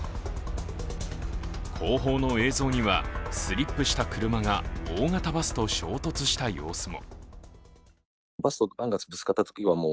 後方の映像には、スリップした車が大型バスと衝突した様子も。